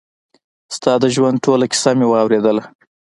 ستا د ژوند ټوله کيسه مې واورېدله.